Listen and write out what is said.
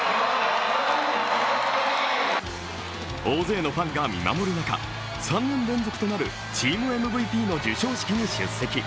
大勢のファンが見守る中、３年連続となるチームＭＶＰの授賞式に出席。